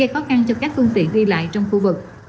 gây khó khăn cho các công ty ghi lại trong khu vực